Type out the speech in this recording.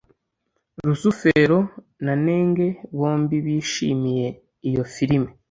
rusufero na nenge bombi bishimiye iyo firime